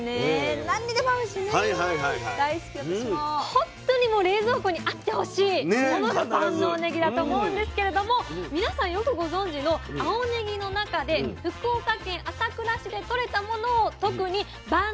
本当にもう冷蔵庫にあってほしいものが万能ねぎだと思うんですけれども皆さんよくご存じの「青ねぎ」の中で福岡県朝倉市で取れたものを特に「万能ねぎ」と呼んでるんですね。